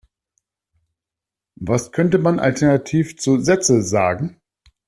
Was könnte man Alternativ zu Sätze sagen?